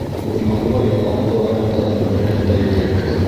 Урманлы-яланлы райондарҙың береһендә йөрөйбөҙ.